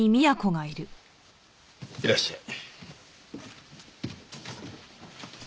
いらっしゃい。